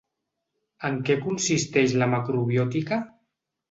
En què consisteix la macrobiòtica?